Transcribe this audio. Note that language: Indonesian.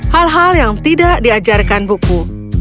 hal hal yang tidak diajarkan buku